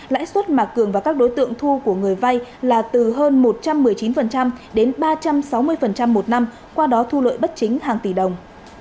lãi suất mà cường và các đối tượng thu của người vay là từ hơn một trăm một mươi chín đến ba trăm sáu mươi một năm qua đó thu lợi bất chính hàng tỷ đồng